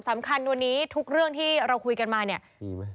สำคัญวันนี้ทุกเรื่องที่เราคุยกันมาเนี่ยดีไหม